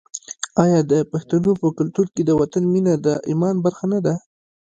آیا د پښتنو په کلتور کې د وطن مینه د ایمان برخه نه ده؟